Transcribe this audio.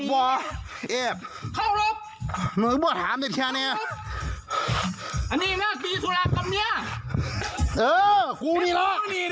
ว่ากันดีค่ะ